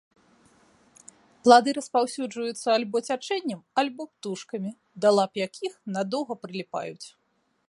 Плады распаўсюджваюцца альбо цячэннем, альбо птушкамі, да лап якіх надоўга прыліпаюць.